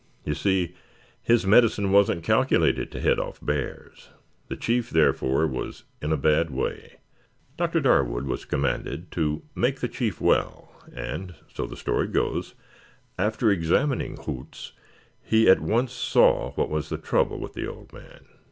You see his medicine wasn't calculated to head off bears. The chief, therefore, was in a bad way. Dr. Darwood was commanded to make the chief well, and, so the story goes, after examining Hoots, he at once saw what was the trouble with the old man.